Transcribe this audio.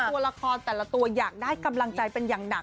ตัวละครแต่ละตัวอยากได้กำลังใจเป็นอย่างหนัก